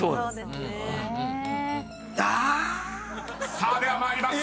［さあでは参ります。